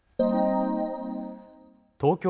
東京